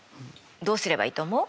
どうすればいいと思う？